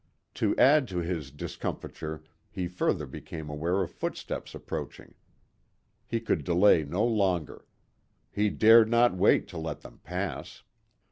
To add to his discomfiture he further became aware of footsteps approaching. He could delay no longer. He dared not wait to let them pass.